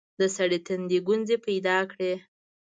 د سړي تندي ګونځې پيداکړې.